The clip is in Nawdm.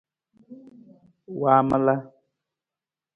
Waamala.